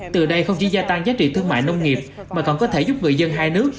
từ đây không chỉ gia tăng giá trị thương mại nông nghiệp mà còn có thể giúp người dân hai nước